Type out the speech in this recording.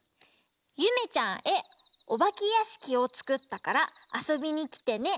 「ゆめちゃんへおばけやしきをつくったからあそびにきてね。